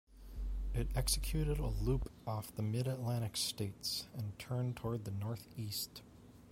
It executed a loop off the Mid-Atlantic states and turned toward the northeast.